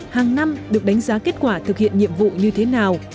hàng năm được đánh giá kết quả thực hiện nhiệm vụ như thế nào